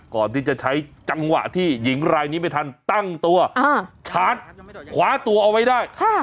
ก่อนที่จะใช้จังหวะที่หญิงรายนี้ไม่ทันตั้งตัวชาร์จคว้าตัวเอาไว้ได้